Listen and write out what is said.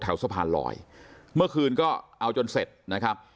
สะพานลอยเมื่อคืนก็เอาจนเสร็จนะครับ